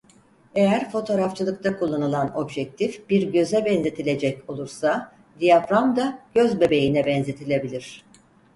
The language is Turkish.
Eğer fotoğrafçılıkta kullanılan objektif bir göze benzetilecek olursa diyafram da gözbebeğine benzetilebilir.